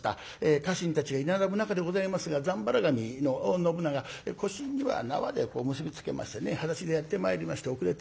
家臣たちが居並ぶ中でございますがざんばら髪の信長腰には縄で結び付けましてねはだしでやって参りまして遅れて。